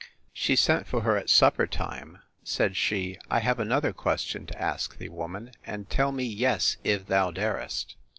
She sent for her at supper time: Said she, I have another question to ask thee, woman, and tell me yes, if thou darest.